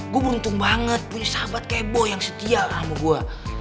gua beruntung banget punya sahabat kayak boy yang setia sama gua